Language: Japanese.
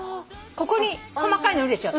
ここに細かいのいるでしょ。